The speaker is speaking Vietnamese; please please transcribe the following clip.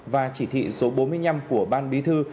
và chỉ thị số bốn mươi năm của ban bí thư